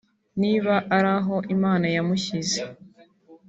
niba ari aho Imana yamushyize